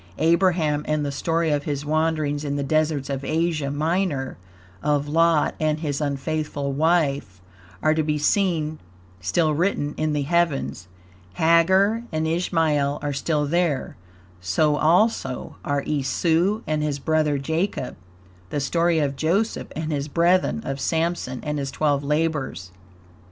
Abraham, and the story of his wanderings in the deserts of Asia Minor; of Lot and his unfaithful wife, are to be seen still written in the heavens. Hagar and Ishmael are still there; so also are Esau and his brother Jacob; the story of Joseph and his brethren; of Sampson and his twelve labors.